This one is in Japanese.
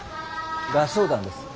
合唱団です。